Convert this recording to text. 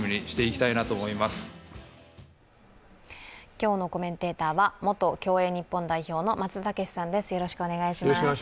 今日のコメンテーターは元競泳日本代表の松田丈志さんです。